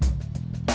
tunggu nanti aja